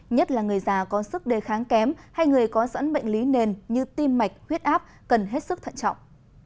nhất là người già có sức đề kháng kém hay người có sẵn bệnh lý nền như tim mạch huyết áp cần hết sức thận trọng